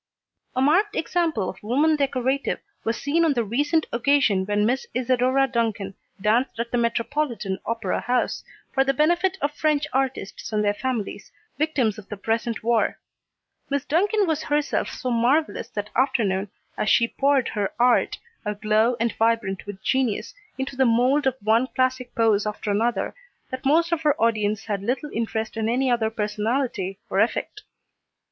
A marked example of woman decorative was seen on the recent occasion when Miss Isadora Duncan danced at the Metropolitan Opera House, for the benefit of French artists and their families, victims of the present war. Miss Duncan was herself so marvelous that afternoon, as she poured her art, aglow and vibrant with genius, into the mould of one classic pose after another, that most of her audience had little interest in any other personality, or effect.